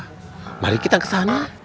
ya mari kita ke sana